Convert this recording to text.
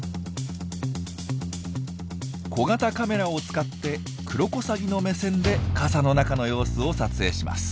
小型カメラを使ってクロコサギの目線で傘の中の様子を撮影します。